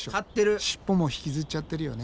尻尾も引きずっちゃってるよね。